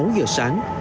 sáu giờ sáng